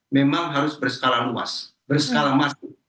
memang harus berskala luas berskala masuk